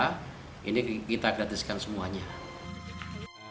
seandainya harus di rumah sakit pasti kita yang terdekat dengan yayasan e vata ini ada di ambar hawa